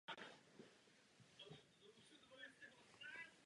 Rivera se rychle vypracoval v oporu týmu.